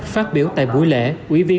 phát biểu tại buổi lễ